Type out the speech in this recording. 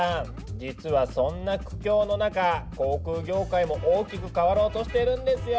実はそんな苦境の中航空業界も大きく変わろうとしてるんですよ。